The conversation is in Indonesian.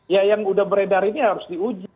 ya yang udah beredar ini harus diuji